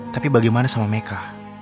tapi bagaimana sama meka